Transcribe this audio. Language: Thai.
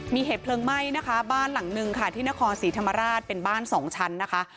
มีเหตุเพลิงไหม้นะคะบ้านหลังนึงค่ะที่นครศรีธรรมราชเป็นบ้านสองชั้นนะคะ